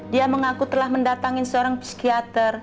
dia mengaku telah mendatangi seorang psikiater